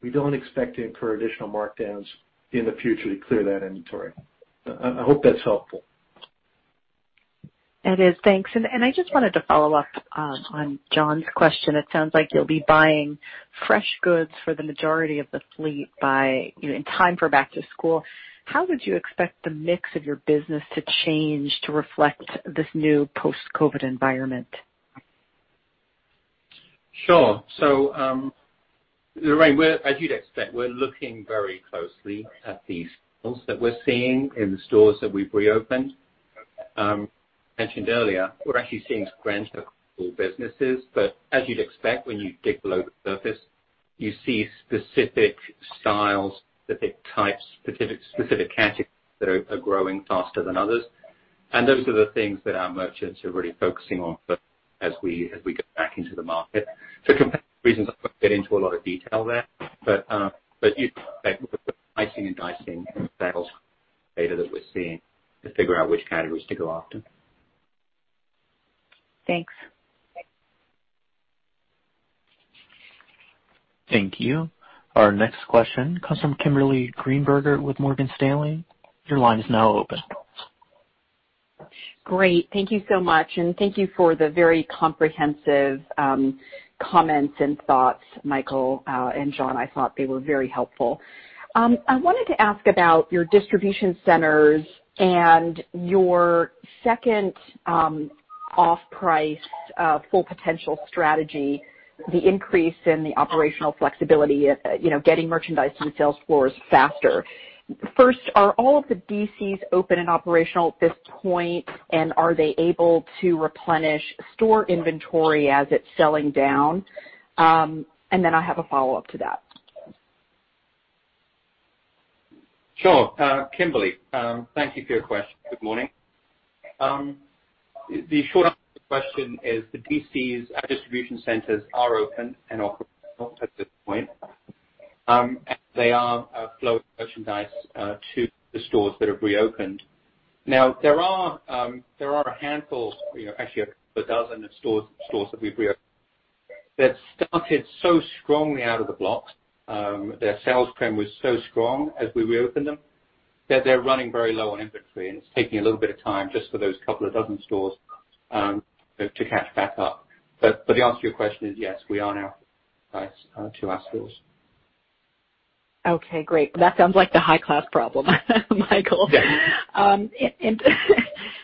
we don't expect to incur additional markdowns in the future to clear that inventory. I hope that's helpful. That is. Thanks. And I just wanted to follow up on John's question. It sounds like you'll be buying fresh goods for the majority of the fleet in time for back to school. How would you expect the mix of your business to change to reflect this new post-COVID environment? Sure. So Lorraine, as you'd expect, we're looking very closely at these sales that we're seeing in the stores that we've reopened. As I mentioned earlier, we're actually seeing some gangbuster businesses. But as you'd expect, when you dig below the surface, you see specific styles, specific types, specific categories that are growing faster than others. And those are the things that our merchants are really focusing on as we go back into the market. For comparison reasons, I won't get into a lot of detail there. But you can expect slicing and dicing in the sales data that we're seeing to figure out which categories to go after. Thanks. Thank you. Our next question comes from Kimberly Greenberger with Morgan Stanley. Your line is now open. Great. Thank you so much. And thank you for the very comprehensive comments and thoughts, Michael and John. I thought they were very helpful. I wanted to ask about your distribution centers and your second off-price full potential strategy, the increase in the operational flexibility, getting merchandise to the sales floors faster. First, are all of the DCs open and operational at this point? And are they able to replenish store inventory as it's selling down? And then I have a follow-up to that. Sure. Kimberly, thank you for your question. Good morning. The short answer to the question is the DCs, our distribution centers are open and operational at this point, and they are flowing merchandise to the stores that have reopened. Now, there are a handful, actually a couple of dozen of stores that we've reopened that started so strongly out of the block. Their sales trend was so strong as we reopened them that they're running very low on inventory, and it's taking a little bit of time just for those couple of dozen stores to catch back up, but the answer to your question is yes, we are now opening up to our stores. Okay. Great. That sounds like the high-class problem, Michael. Yeah.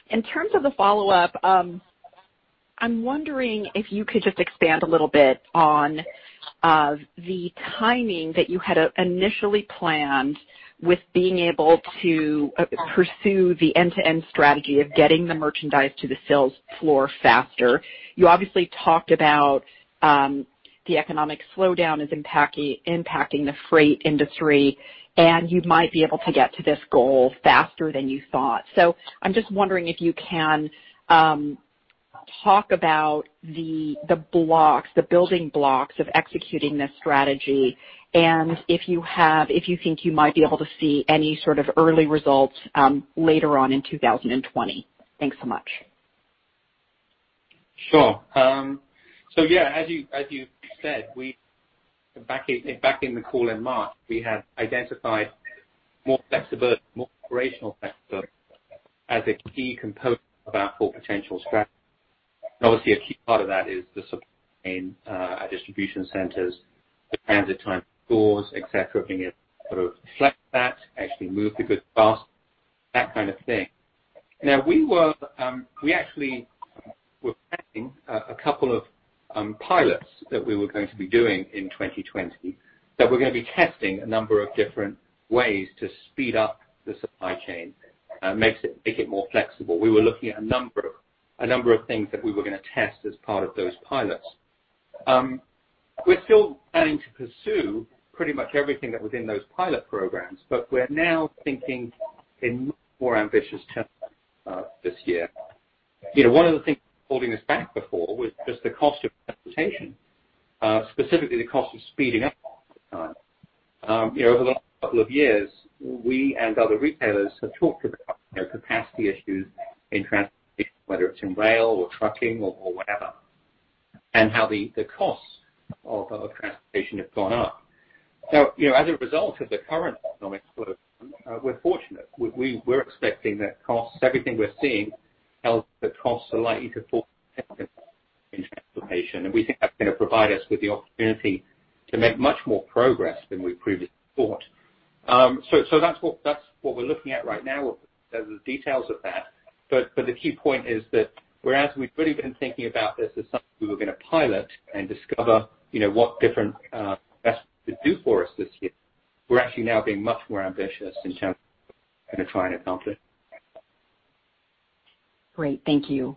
In terms of the follow-up, I'm wondering if you could just expand a little bit on the timing that you had initially planned with being able to pursue the end-to-end strategy of getting the merchandise to the sales floor faster. You obviously talked about the economic slowdown impacting the freight industry, and you might be able to get to this goal faster than you thought. So I'm just wondering if you can talk about the building blocks of executing this strategy and if you think you might be able to see any sort of early results later on in 2020. Thanks so much. Sure, so yeah, as you said, back in the call in March, we had identified more flexibility, more operational flexibility as a key component of our full potential strategy, and obviously, a key part of that is the support in our distribution centers, the transit time to stores, etc., being able to sort of reflect that, actually move the goods faster, that kind of thing. Now, we actually were planning a couple of pilots that we were going to be doing in 2020 that we're going to be testing a number of different ways to speed up the supply chain, make it more flexible. We were looking at a number of things that we were going to test as part of those pilots. We're still planning to pursue pretty much everything that was in those pilot programs, but we're now thinking in much more ambitious terms this year. One of the things holding us back before was just the cost of transportation, specifically the cost of speeding up transportation. Over the last couple of years, we and other retailers have talked to the customer about capacity issues in transportation, whether it's in rail or trucking or whatever, and how the costs of transportation have gone up. So as a result of the current economic slowdown, we're fortunate. We're expecting that costs, everything we're seeing, helps. The costs are likely to fall in transportation. And we think that's going to provide us with the opportunity to make much more progress than we previously thought. So that's what we're looking at right now with the details of that. But the key point is that whereas we've really been thinking about this as something we were going to pilot and discover what different investments could do for us this year, we're actually now being much more ambitious in terms of what we're going to try and accomplish. Great. Thank you.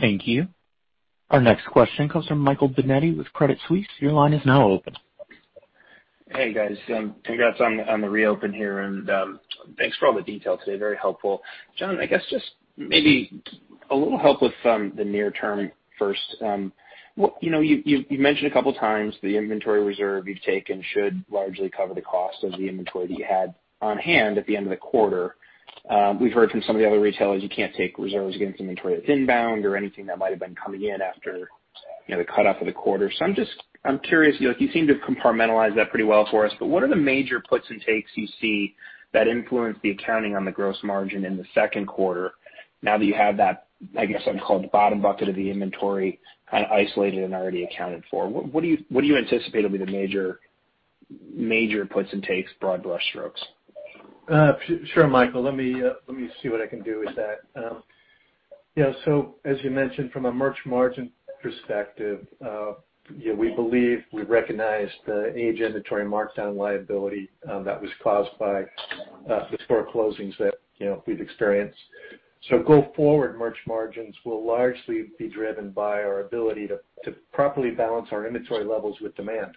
Thank you. Our next question comes from Michael Binetti with Credit Suisse. Your line is now open. Hey, guys. Congrats on the reopen here and thanks for all the details today. Very helpful. John, I guess just maybe a little help with the near-term first. You mentioned a couple of times the inventory reserve you've taken should largely cover the cost of the inventory that you had on hand at the end of the quarter. We've heard from some of the other retailers you can't take reserves against inventory that's inbound or anything that might have been coming in after the cutoff of the quarter, so I'm curious. You seem to have compartmentalized that pretty well for us, but what are the major puts and takes you see that influence the accounting on the gross margin in the second quarter now that you have that, I guess I would call it, the bottom bucket of the inventory kind of isolated and already accounted for? What do you anticipate will be the major puts and takes, broad brush strokes? Sure, Michael. Let me see what I can do with that. So as you mentioned, from a merch margin perspective, we believe we recognize the aged inventory markdown liability that was caused by the store closings that we've experienced. So going forward, merch margins will largely be driven by our ability to properly balance our inventory levels with demand,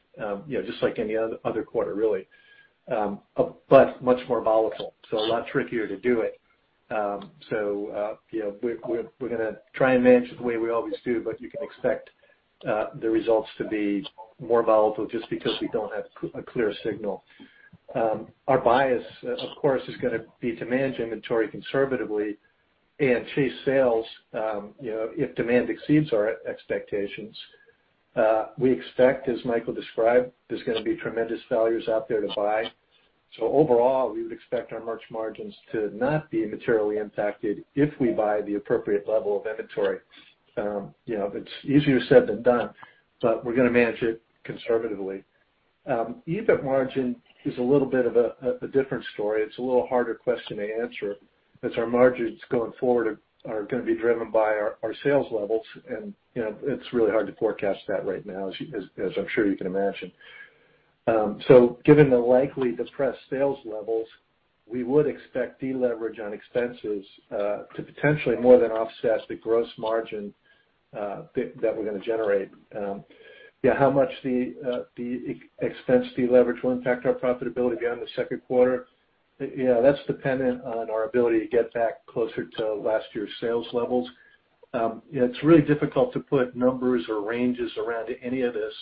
just like any other quarter, really, but much more volatile. So a lot trickier to do it. So we're going to try and manage it the way we always do, but you can expect the results to be more volatile just because we don't have a clear signal. Our bias, of course, is going to be to manage inventory conservatively and chase sales if demand exceeds our expectations. We expect, as Michael described, there's going to be tremendous values out there to buy, so overall, we would expect our merch margins to not be materially impacted if we buy the appropriate level of inventory. It's easier said than done, but we're going to manage it conservatively. EBIT margin is a little bit of a different story. It's a little harder question to answer as our margins going forward are going to be driven by our sales levels, and it's really hard to forecast that right now, as I'm sure you can imagine, so given the likely depressed sales levels, we would expect deleverage on expenses to potentially more than offset the gross margin that we're going to generate. How much the expense deleverage will impact our profitability beyond the second quarter, yeah, that's dependent on our ability to get back closer to last year's sales levels. It's really difficult to put numbers or ranges around any of this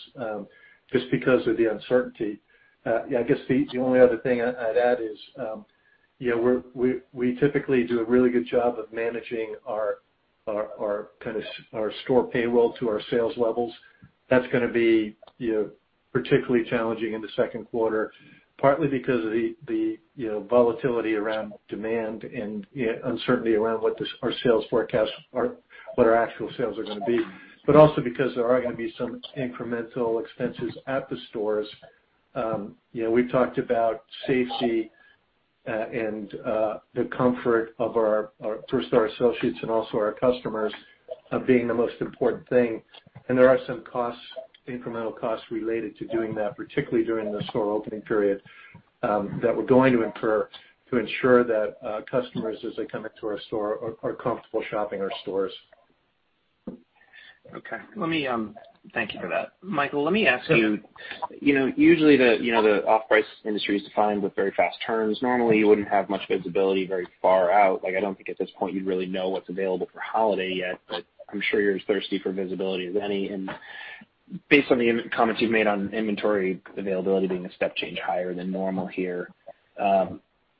just because of the uncertainty. I guess the only other thing I'd add is we typically do a really good job of managing our kind of store payroll to our sales levels. That's going to be particularly challenging in the second quarter, partly because of the volatility around demand and uncertainty around what our sales forecasts, what our actual sales are going to be, but also because there are going to be some incremental expenses at the stores. We've talked about safety and the comfort of our first-order associates and also our customers being the most important thing, and there are some incremental costs related to doing that, particularly during the store opening period, that we're going to incur to ensure that customers, as they come into our store, are comfortable shopping our stores. Okay. Thank you for that. Michael, let me ask you. Usually, the off-price industry is defined with very fast turns. Normally, you wouldn't have much visibility very far out. I don't think at this point you'd really know what's available for holiday yet, but I'm sure you're as thirsty for visibility as any, and based on the comments you've made on inventory availability being a step change higher than normal here,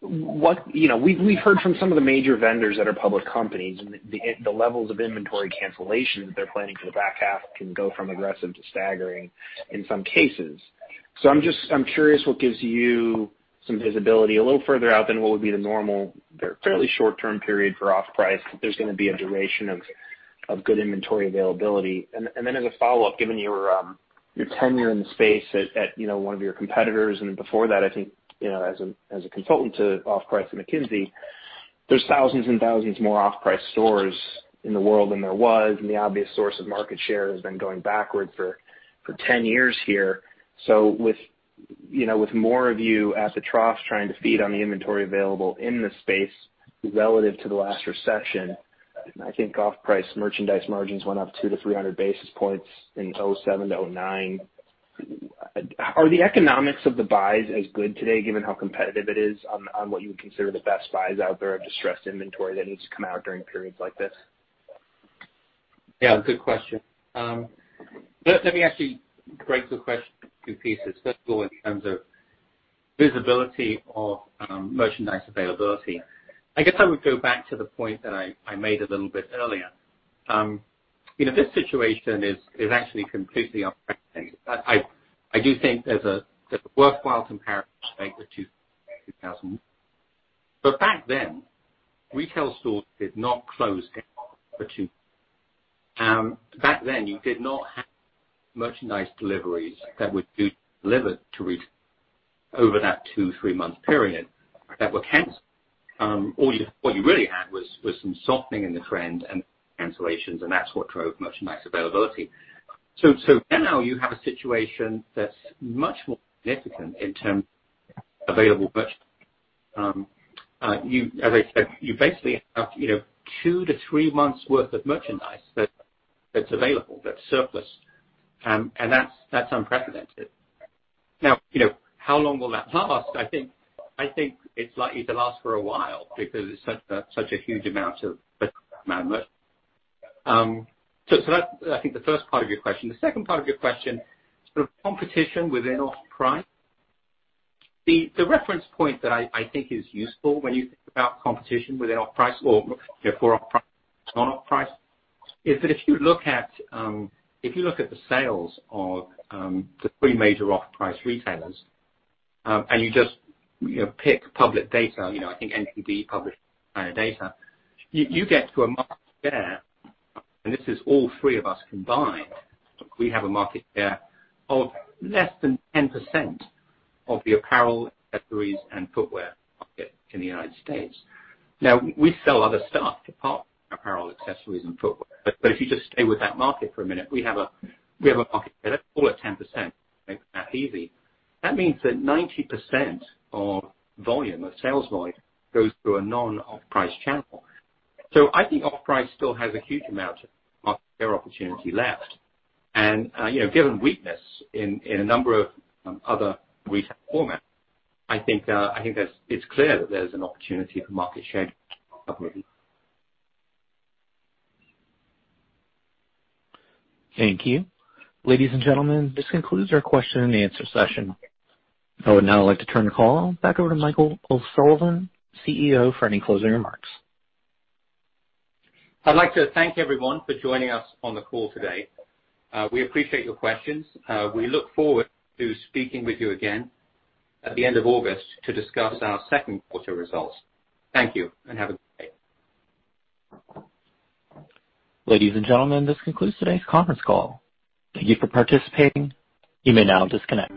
we've heard from some of the major vendors that are public companies, the levels of inventory cancellation that they're planning for the back half can go from aggressive to staggering in some cases, so I'm curious what gives you some visibility a little further out than what would be the normal fairly short-term period for off-price, that there's going to be a duration of good inventory availability? Then as a follow-up, given your tenure in the space at one of your competitors and before that, I think as a consultant to Off-Price and McKinsey, there's thousands and thousands more off-price stores in the world than there was. And the obvious source of market share has been going backward for 10 years here. So with more of you at the trough trying to feed on the inventory available in the space relative to the last recession, I think off-price merchandise margins went up 200 to 300 basis points in 2007 to 2009. Are the economics of the buys as good today, given how competitive it is on what you would consider the best buys out there of distressed inventory that needs to come out during periods like this? Yeah. Good question. Let me actually break the question into two pieces. First of all, in terms of visibility of merchandise availability, I guess I would go back to the point that I made a little bit earlier. This situation is actually completely unprecedented. I do think there's a worthwhile comparison to 2001. But back then, retail stores did not close for two months. Back then, you did not have merchandise deliveries that were delivered to retailers over that two, three-month period that were canceled. All you really had was some softening in the trend and cancellations, and that's what drove merchandise availability. So now you have a situation that's much more significant in terms of available merchandise. As I said, you basically have two to three months' worth of merchandise that's available, that's surplus. And that's unprecedented. Now, how long will that last? I think it's likely to last for a while because it's such a huge amount of merchandise. So that's, I think, the first part of your question. The second part of your question is sort of competition within off-price. The reference point that I think is useful when you think about competition within off-price or for off-price and non-off-price is that if you look at the sales of the three major off-price retailers and you just pick public data, I think NPD published kind of data, you get to a market share, and this is all three of us combined, we have a market share of less than 10% of the apparel, accessories, and footwear market in the United States. Now, we sell other stuff apart from apparel, accessories, and footwear. But if you just stay with that market for a minute, we have a market share that's still at 10%. Make that easy. That means that 90% of sales volume goes through a non-off-price channel. So I think off-price still has a huge amount of market share opportunity left. And given weakness in a number of other retail formats, I think it's clear that there's an opportunity for market share to come up with. Thank you. Ladies and gentlemen, this concludes our question-and-answer session. I would now like to turn the call back over to Michael O'Sullivan, CEO, for any closing remarks. I'd like to thank everyone for joining us on the call today. We appreciate your questions. We look forward to speaking with you again at the end of August to discuss our second quarter results. Thank you and have a good day. Ladies and gentlemen, this concludes today's conference call. Thank you for participating. You may now disconnect.